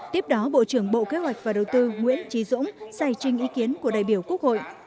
tiếp đó bộ trưởng bộ kế hoạch và đầu tư nguyễn trí dũng xài trình ý kiến của đại biểu quốc hội